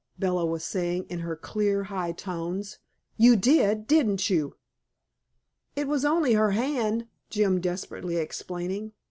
Bella was saying in her clear, high tones. "You did, didn't you?" "It was only her hand," Jim, desperately explaining.